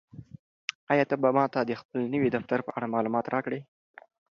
آیا ته به ماته د خپل نوي دفتر په اړه معلومات راکړې؟